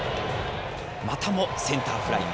またもセンターフライ。